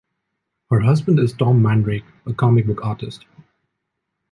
Her husband is Tom Mandrake, a comic book artist.